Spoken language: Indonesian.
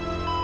ya allah papa